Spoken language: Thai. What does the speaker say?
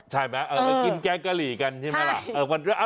ใช่ไหมไปกินแกงกะหรี่กันใช่ไหมล่ะ